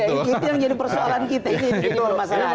itu yang jadi persoalan kita ini masalah itu